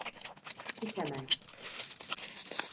Git hemen!